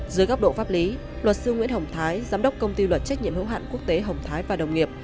dưới góc độ pháp lý luật sư nguyễn hồng thái giám đốc công ty luật trách nhiệm hữu hạn quốc tế hồng thái và đồng nghiệp